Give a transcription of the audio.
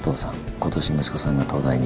今年息子さんが東大に。